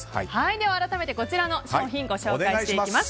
では改めて、こちらの商品をご紹介していきます。